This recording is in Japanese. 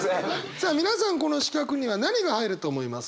さあ皆さんこの四角には何が入ると思いますか？